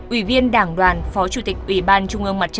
ủy viên đảng đoàn phó chủ tịch ubnd